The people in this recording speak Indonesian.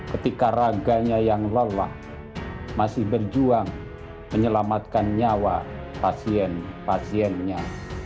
ketika raganya yang lelah masih berjuang menyelamatkan nyawa pasien pasiennya